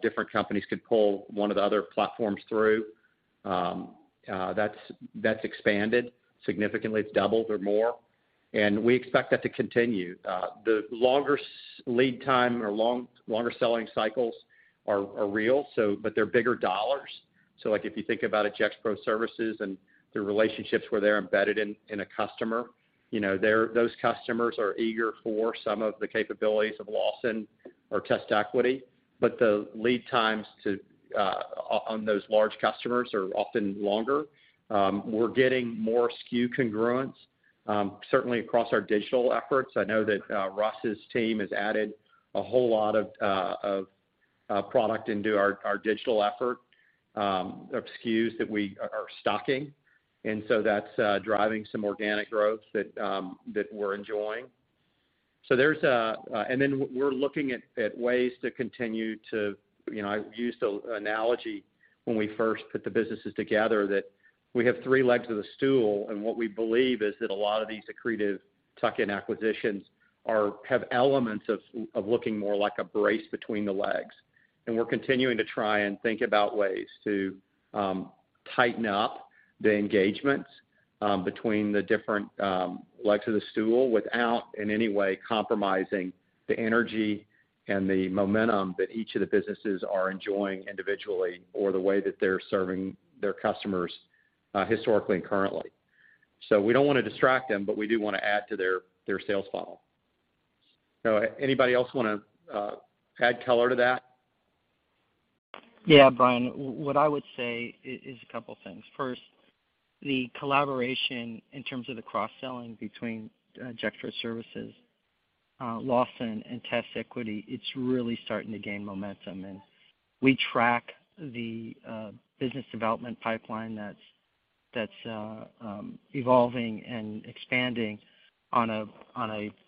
different companies could pull one of the other platforms through, that's expanded significantly. It's doubled or more, and we expect that to continue. The longer lead time or longer selling cycles are real, but they're bigger dollars. Like if you think about a Gexpro Services and the relationships where they're embedded in a customer, you know, those customers are eager for some of the capabilities of Lawson or TestEquity. The lead times to on those large customers are often longer. We're getting more SKU congruence, certainly across our digital efforts. I know that Russ's team has added a whole lot of product into our digital effort, of SKUs that we are stocking. That's driving some organic growth that we're enjoying. There's a. Then we're looking at ways to continue to, you know, I used the analogy when we first put the businesses together that we have three legs of the stool, and what we believe is that a lot of these accretive tuck-in acquisitions have elements of looking more like a brace between the legs. We're continuing to try and think about ways to tighten up the engagements between the different legs of the stool without in any way compromising the energy and the momentum that each of the businesses are enjoying individually or the way that they're serving their customers historically and currently. We don't wanna distract them, but we do wanna add to their sales funnel. Anybody else wanna add color to that? Yeah, Bryan, what I would say is a couple things. First, the collaboration in terms of the cross-selling between Gexpro Services, Lawson, and TestEquity, it's really starting to gain momentum. We track the business development pipeline that's evolving and expanding on a,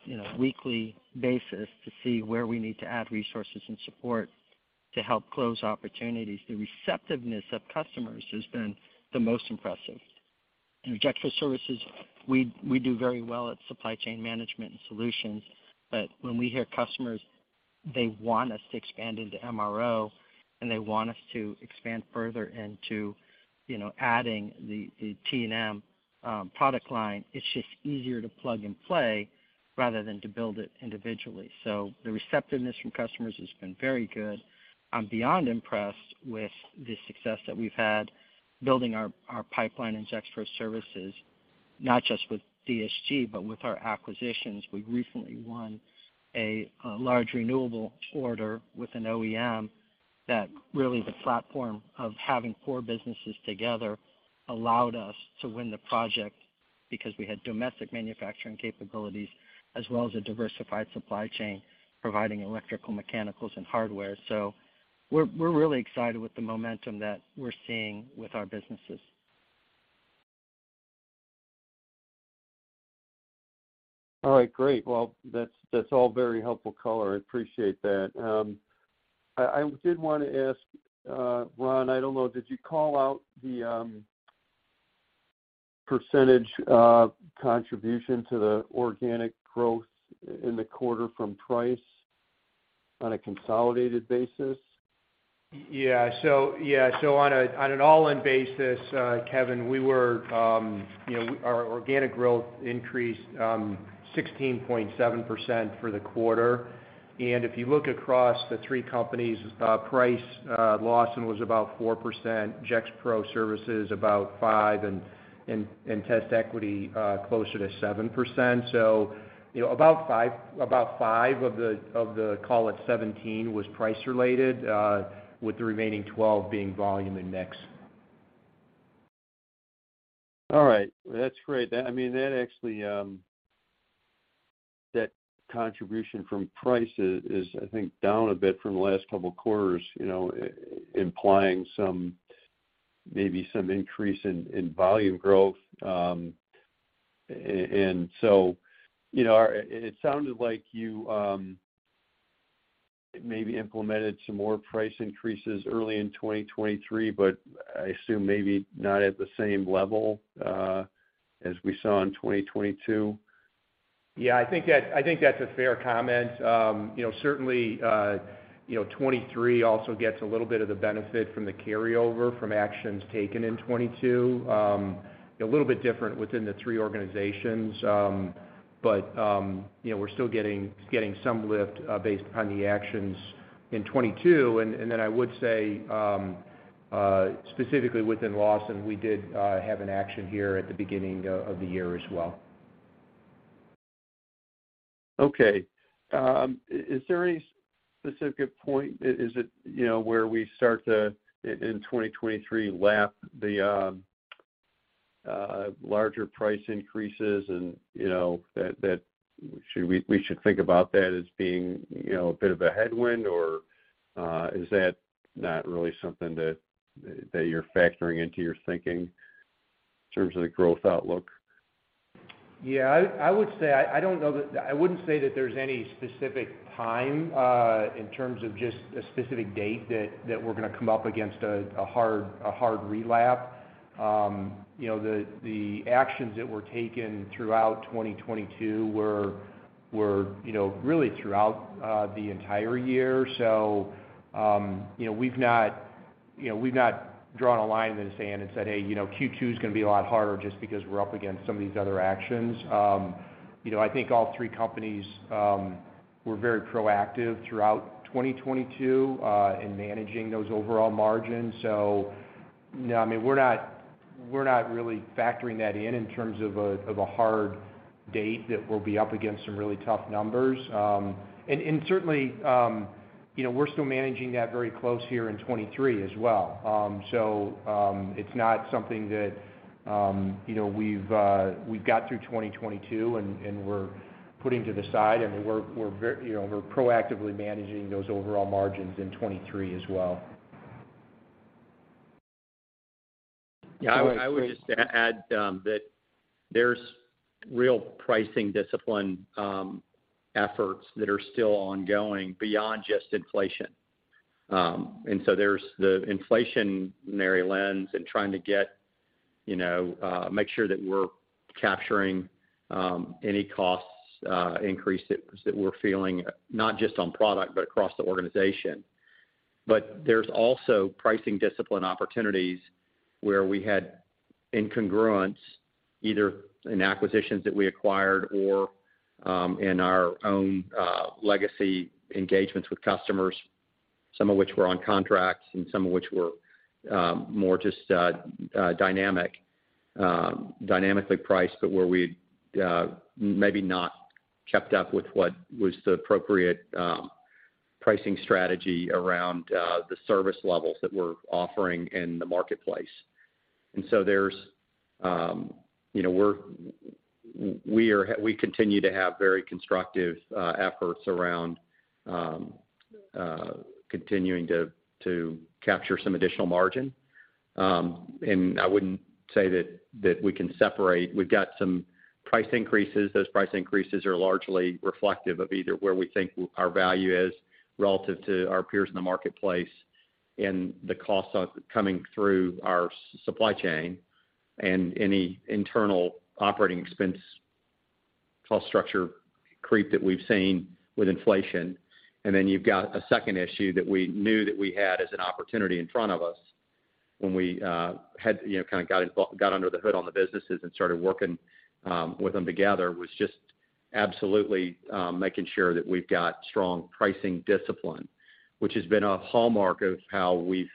you know, weekly basis to see where we need to add resources and support to help close opportunities. The receptiveness of customers has been the most impressive. In Gexpro Services, we do very well at supply chain management and solutions. When we hear customers, they want us to expand into MRO, and they want us to expand further into, you know, adding the T&M product line. It's just easier to plug and play rather than to build it individually. The receptiveness from customers has been very good. I'm beyond impressed with the success that we've had building our pipeline in Gexpro Services, not just with DSG, but with our acquisitions. We recently won a large renewable order with an OEM that really the platform of having four businesses together allowed us to win the project because we had domestic manufacturing capabilities as well as a diversified supply chain providing electrical, mechanicals, and hardware. We're really excited with the momentum that we're seeing with our businesses. All right. Great. Well, that's all very helpful color. I appreciate that. I did wanna ask, Ron, I don't know, did you call out the percentage of contribution to the organic growth in the quarter from Price on a consolidated basis? Yeah. Yeah, on an all-in basis, Kevin, we were, you know, our organic growth increased 16.7% for the quarter. If you look across the three companies, price, Lawson was about 4%, Gexpro Services about 5%, and TestEquity closer to 7%. You know, about 5% of the call at 17% was price related, with the remaining 12% being volume and mix. All right. That's great. I mean, that actually, That contribution from price is, I think, down a bit from the last couple of quarters, you know, implying some, maybe some increase in volume growth. You know, it sounded like you, maybe implemented some more price increases early in 2023, but I assume maybe not at the same level, as we saw in 2022. Yeah, I think that, I think that's a fair comment. You know, certainly, you know, 2023 also gets a little bit of the benefit from the carryover from actions taken in 2022. A little bit different within the three organizations. But, you know, we're still getting some lift, based upon the actions in 2022. I would say, specifically within Lawson, we did have an action here at the beginning of the year as well. Okay. Is there any specific point, is it, you know, where we start to, in 2023, lap the larger price increases and, you know, that we should think about that as being, you know, a bit of a headwind, or is that not really something that you're factoring into your thinking in terms of the growth outlook? Yeah, I would say, I don't know that I wouldn't say that there's any specific time in terms of just a specific date that we're gonna come up against a hard relapse. You know, the actions that were taken throughout 2022 were, you know, really throughout the entire year. You know, we've not drawn a line in the sand and said, "Hey, you know, Q2 is gonna be a lot harder just because we're up against some of these other actions." You know, I think all three companies were very proactive throughout 2022 in managing those overall margins. You know, I mean, we're not really factoring that in terms of a hard date that we'll be up against some really tough numbers. Certainly, you know, we're still managing that very close here in 2023 as well. It's not something that, you know, we've got through 2022 and we're putting to the side. I mean, we're you know, we're proactively managing those overall margins in 2023 as well. Yeah, go ahead, please. Yeah, I would just add that there's real pricing discipline, efforts that are still ongoing beyond just inflation. There's the inflationary lens and trying to get, you know, make sure that we're capturing any costs increase that we're feeling, not just on product, but across the organization. There's also pricing discipline opportunities where we had incongruence, either in acquisitions that we acquired or in our own legacy engagements with customers, some of which were on contracts and some of which were more just dynamic, dynamically priced, but where we'd maybe not kept up with what was the appropriate pricing strategy around the service levels that we're offering in the marketplace. There's, you know, we're, we continue to have very constructive efforts around continuing to capture some additional margin. I wouldn't say that we can separate. We've got some price increases. Those price increases are largely reflective of either where we think our value is relative to our peers in the marketplace and the costs coming through our supply chain and any internal operating expense cost structure creep that we've seen with inflation. You've got a second issue that we knew that we had as an opportunity in front of us when we had, you know, kind of got under the hood on the businesses and started working with them together, was just absolutely making sure that we've got strong pricing discipline, which has been a hallmark of how we've,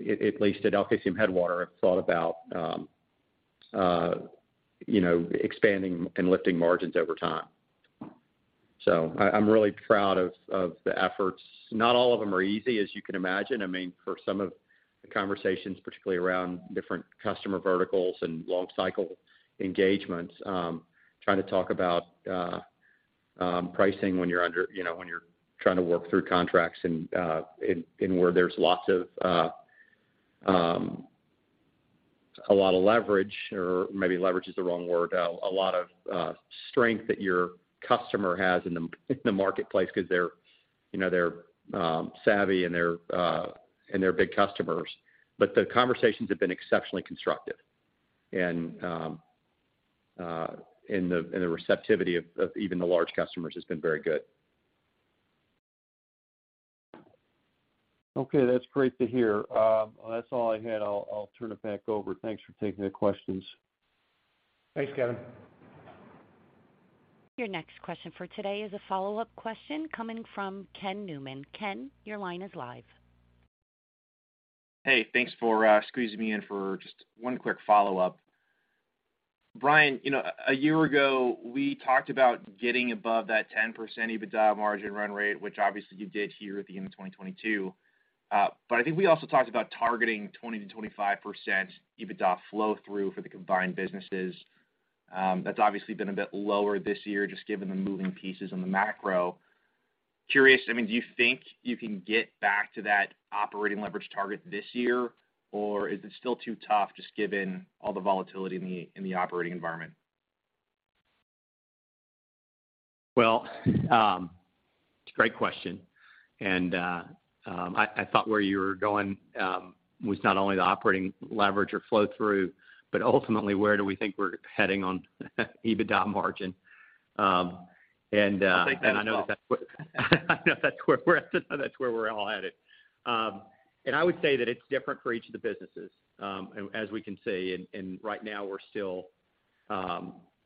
at least at LKCM Headwater, have thought about, you know, expanding and lifting margins over time. I'm really proud of the efforts. Not all of them are easy, as you can imagine. I mean, for some of the conversations, particularly around different customer verticals and long cycle engagements, trying to talk about pricing when you're under, you know, when you're trying to work through contracts and where there's a lot of leverage, or maybe leverage is the wrong word, a lot of strength that your customer has in the marketplace because they're, you know, they're savvy and they're big customers. The conversations have been exceptionally constructive. The receptivity of even the large customers has been very good. Okay, that's great to hear. That's all I had. I'll turn it back over. Thanks for taking the questions. Thanks, Kevin. Your next question for today is a follow-up question coming from Ken Newman. Ken, your line is live. Hey, thanks for squeezing me in for just one quick follow-up. Bryan, you know, a year ago, we talked about getting above that 10% EBITDA margin run rate, which obviously you did here at the end of 2022. I think we also talked about targeting 20%-25% EBITDA flow through for the combined businesses. That's obviously been a bit lower this year just given the moving pieces on the macro. Curious, I mean, do you think you can get back to that operating leverage target this year, or is it still too tough just given all the volatility in the operating environment? It's a great question, I thought where you were going was not only the operating leverage or flow through, but ultimately, where do we think we're heading on EBITDA margin. I think that as well. I know that's where we're all headed. I would say that it's different for each of the businesses, as we can see. Right now we're still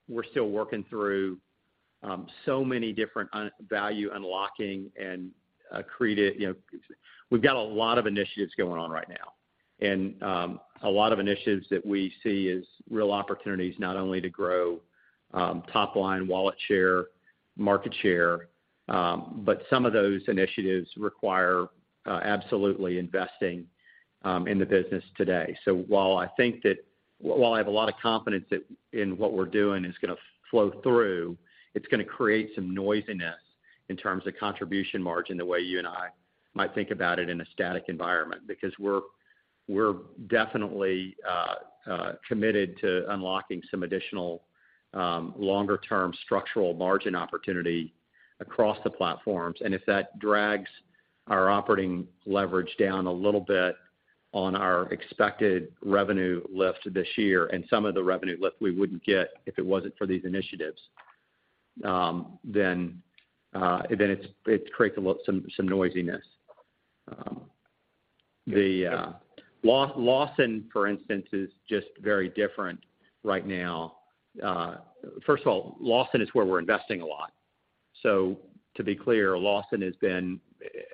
working through so many different value unlocking. You know, we've got a lot of initiatives going on right now. A lot of initiatives that we see as real opportunities not only to grow top line, wallet share, market share, but some of those initiatives require absolutely investing in the business today. While I have a lot of confidence that in what we're doing is gonna flow through, it's gonna create some noisiness in terms of contribution margin, the way you and I might think about it in a static environment. Because we're definitely committed to unlocking some additional longer term structural margin opportunity across the platforms. If that drags our operating leverage down a little bit on our expected revenue lift this year and some of the revenue lift we wouldn't get if it wasn't for these initiatives, then it creates some noisiness. The Lawson, for instance, is just very different right now. First of all, Lawson is where we're investing a lot. To be clear, Lawson has been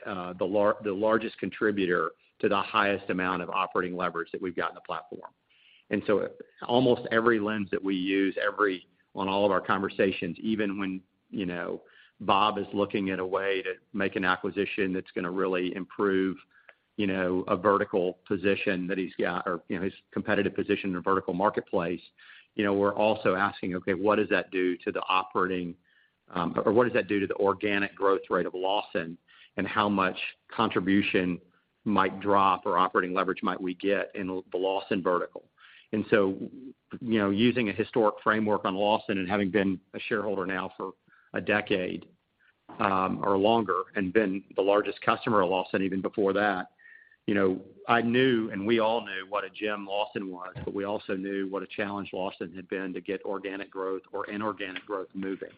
the largest contributor to the highest amount of operating leverage that we've got in the platform. Almost every lens that we use, every—on all of our conversations. Even when, you know, Bob is looking at a way to make an acquisition that's gonna really improve, you know, a vertical position that he's got, or, you know, his competitive position in a vertical marketplace, you know, we're also asking, "Okay, what does that do to the operating, or what does that do to the organic growth rate of Lawson, and how much contribution might drop or operating leverage might we get in the Lawson vertical?" You know, using a historic framework on Lawson and having been a shareholder now for a decade, or longer, and been the largest customer of Lawson even before that, you know, I knew and we all knew what a gem Lawson was, but we also knew what a challenge Lawson had been to get organic growth or inorganic growth moving.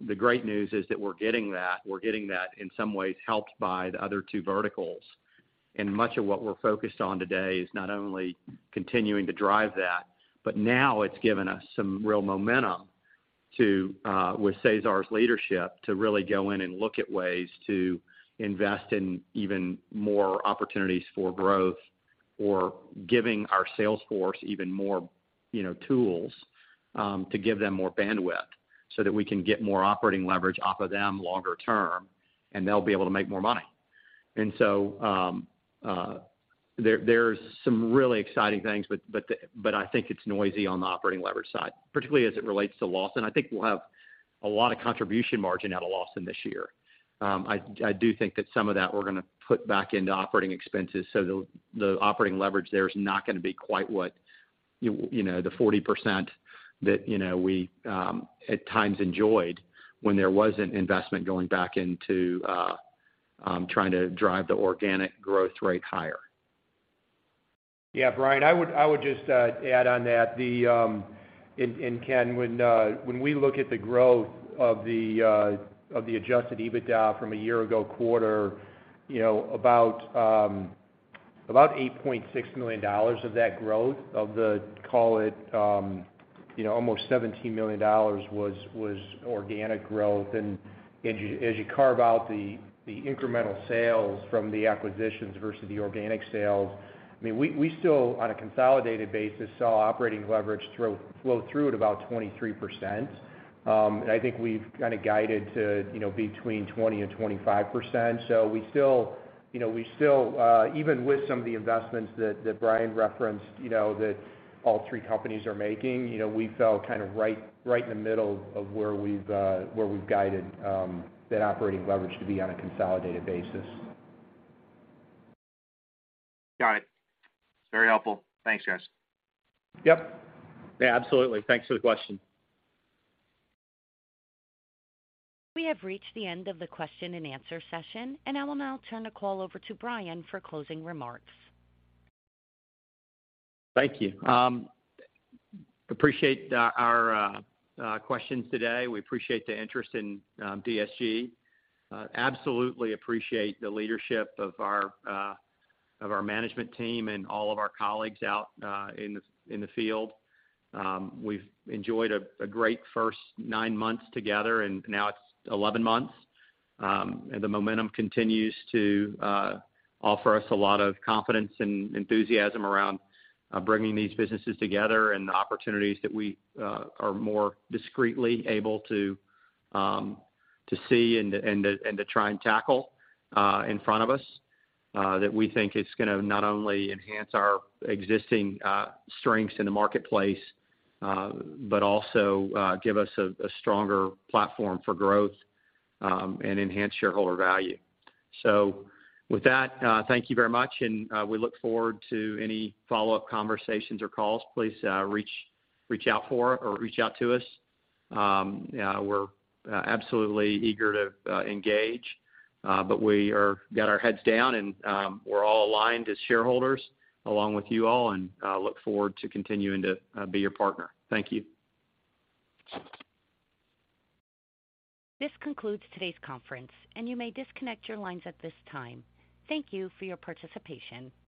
The great news is that we're getting that. We're getting that in some ways helped by the other two verticals. Much of what we're focused on today is not only continuing to drive that, but now it's given us some real momentum to with Cesar's leadership, to really go in and look at ways to invest in even more opportunities for growth or giving our sales force even more, you know, tools, to give them more bandwidth so that we can get more operating leverage off of them longer term, and they'll be able to make more money. There, there's some really exciting things, but I think it's noisy on the operating leverage side, particularly as it relates to Lawson. I think we'll have a lot of contribution margin out of Lawson this year. I do think that some of that we're gonna put back into operating expenses, so the operating leverage there is not gonna be quite what, you know, the 40% that, you know, we, at times enjoyed when there was an investment going back into, trying to drive the organic growth rate higher. Yeah. Bryan, I would just add on that the, Ken, when we look at the growth of the adjusted EBITDA from a year ago quarter, you know, about $8.6 million of that growth of the, call it, you know, almost $17 million was organic growth. As you carve out the incremental sales from the acquisitions versus the organic sales, I mean, we still, on a consolidated basis, saw operating leverage flow through at about 23%. I think we've kind of guided to, you know, between 20% and 25%. We still, you know, even with some of the investments that Bryan referenced, you know, that all three companies are making, you know, we fell kind of right in the middle of where we've, where we've guided, that operating leverage to be on a consolidated basis. Got it. Very helpful. Thanks, guys. Yep. Yeah, absolutely. Thanks for the question. We have reached the end of the question and answer session. I will now turn the call over to Bryan for closing remarks. Thank you. appreciate our questions today. We appreciate the interest in DSG. absolutely appreciate the leadership of our management team and all of our colleagues out in the field. we've enjoyed a great first nine months together, and now it's 11 months. The momentum continues to offer us a lot of confidence and enthusiasm around bringing these businesses together and the opportunities that we are more discreetly able to see and to, and to, and to try and tackle in front of us that we think is gonna not only enhance our existing strengths in the marketplace, but also give us a stronger platform for growth and enhance shareholder value. With that, thank you very much, and we look forward to any follow-up conversations or calls. Please, reach out to us. We're absolutely eager to engage, but we got our heads down and we're all aligned as shareholders along with you all, and look forward to continuing to be your partner. Thank you. This concludes today's conference, and you may disconnect your lines at this time. Thank you for your participation.